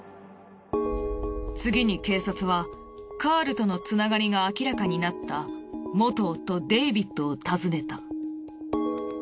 次に警察はカールとのつながりが明らかになった元夫デイビッドを訪ねた。